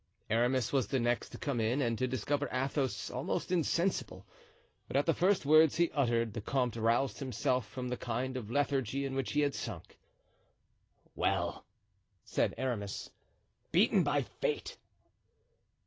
Aramis was the next to come in and to discover Athos almost insensible. But at the first words he uttered the comte roused himself from the kind of lethargy in which he had sunk. "Well," said Aramis, "beaten by fate!"